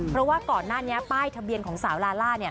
เพราะว่าก่อนหน้านี้ป้ายทะเบียนของสาวลาล่า